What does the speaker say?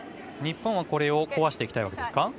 日本はこれを壊していきたいわけですか。